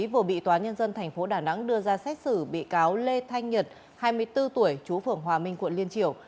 vừa bị tòa nhân dân tp đà nẵng đưa ra xét xử bị cáo lê thanh nhật hai mươi bốn tuổi chú phưởng hòa minh quận liên triều